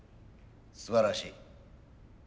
すばらしい。